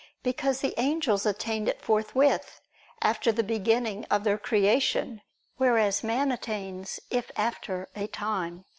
Because the angels attained it forthwith after the beginning of their creation: whereas man attains if after a time.